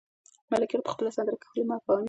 ملکیار په خپله سندره کې ښکلي مفاهیم لري.